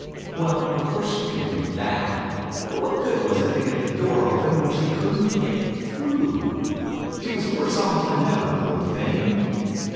Well, of course she could do that : but what good was it to get the door open, when she couldn't get through ? She was worse off than ever, poor thing